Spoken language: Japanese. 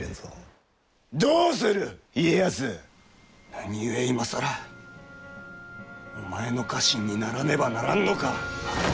何故今更お前の家臣にならねばならんのか！